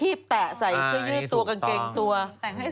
อย่ามากะเสิก